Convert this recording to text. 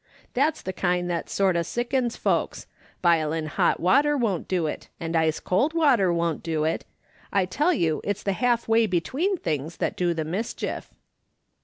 That's the kind that sort o' sickens folks ; bilin' hot water won't do it, and ice cold water won't do it ; I tell you it's the half way between things that do the mischief."